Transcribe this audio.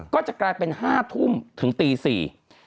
ก็จะกลายเป็น๕ทุ่มถึงตี๔